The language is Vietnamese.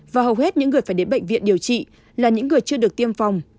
và hầu hết những người phải đến bệnh viện điều trị là những người chưa được tiêm phòng